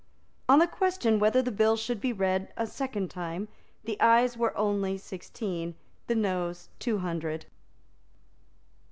On the question whether the bill should be read a second time, the Ayes were only sixteen, the Noes two hundred.